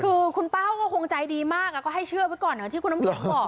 คือคุณป้าเขาก็คงใจดีมากก็ให้เชื่อไว้ก่อนอย่างที่คุณน้ำแข็งบอก